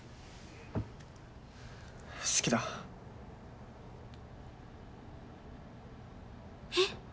好きだえっ？